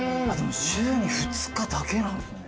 週に２日だけなんすね。